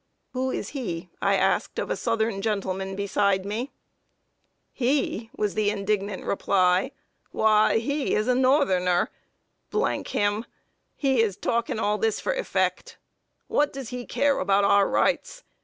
"Who is he?" I asked of a southern gentleman beside me. "He?" was the indignant reply; "why, he is a northerner, him! He is talking all this for effect. What does he care about our rights?